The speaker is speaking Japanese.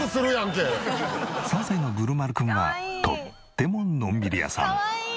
３歳のぶるまるくんはとってものんびり屋さん。